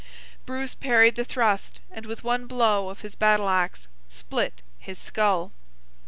Bruce parried the thrust, and with one blow of his battle axe split his skull.